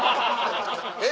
「えっ！」